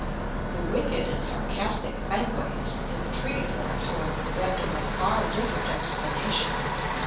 The wicked and sarcastic Fankwaes in the treaty ports, however, render a far different explanation.